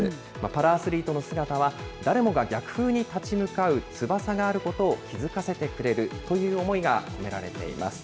パラアスリートの姿は、誰もが逆風に立ち向かう翼があることを気付かせてくれるという思いが込められています。